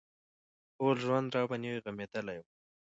ټول ژوند راباندې غمېدلى و.